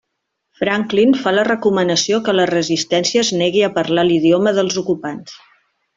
Franklin fa la recomanació que la resistència es negui a parlar l'idioma dels ocupants.